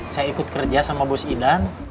saya ikut kerja sama gus idan